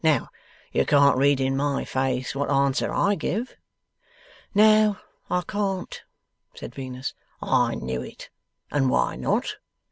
Now, you can't read in my face what answer I give?' 'No, I can't,' said Venus. 'I knew it! And why not?